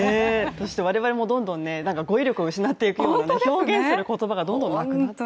我々もどんどん語彙力を失っていくような、表現する言葉がどんどんなくなってしまって。